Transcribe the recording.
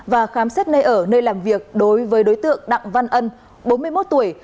và khám xét nơi ở nơi làm việc đối với đối tượng đặng văn ân bốn mươi một tuổi